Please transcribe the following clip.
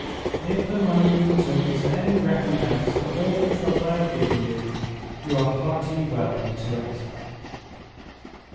If the money you took is any recompense for all the trouble I have given you, you are heartily welcome to it."